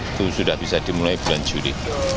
itu sudah bisa dimulai bulan juli